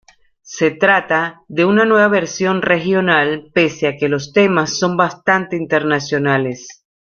Se trata de una versión "regional" pese a que los temas son bastante internacionales.